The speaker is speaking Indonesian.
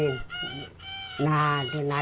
nah ke nadanya kan